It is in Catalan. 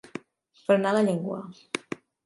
Frenar la llengua.